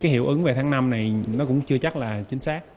hiệu ứng về tháng năm này cũng chưa chắc là chính xác